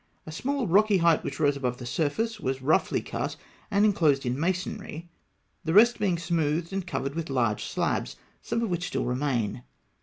A small rocky height which rose above the surface was roughly cut (fig. 136) and enclosed in the masonry, the rest being smoothed and covered with large slabs, some of which still remain (Note 19).